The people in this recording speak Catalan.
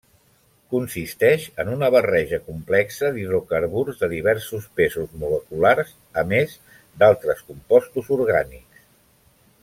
Consisteix en una barreja complexa d'hidrocarburs de diversos pesos moleculars, a més d'altres compostos orgànics.